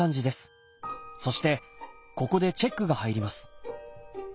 そしてここでチェックが入ります。